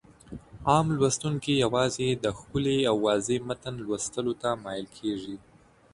عام لوستونکي يوازې د ښکلي او واضح متن لوستلو ته مايل کېږي.